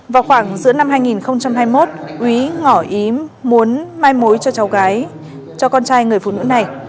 vào khoảng giữa năm hai nghìn hai mươi một úy ngỏ ý muốn mai mối cho cháu gái cho con trai người phụ nữ này